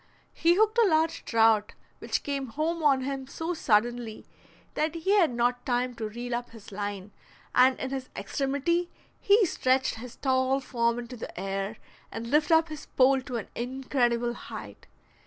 He hooked a large trout, which came home on him so suddenly that he had not time to reel up his line, and in his extremity he stretched his tall form into the air and lifted up his pole to an incredible height.